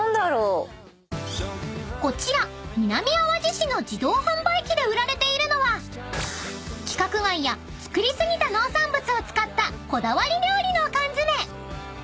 ［こちら南あわじ市の自動販売機で売られているのは規格外や作り過ぎた農産物を使ったこだわり料理の缶詰］